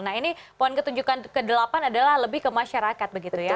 nah ini poin ketunjukan ke delapan adalah lebih ke masyarakat begitu ya